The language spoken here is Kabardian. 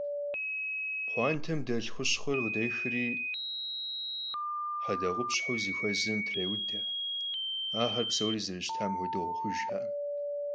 Pxhuantem delh xuşxhuer khıdêxri hedekhupşheu zıxuezem trêude. Axer psori zerışıtam xuedeu khoxhujjxer.